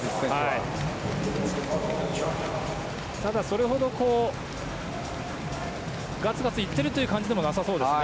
ただ、それほどガツガツいっているという感じでもなさそうですね。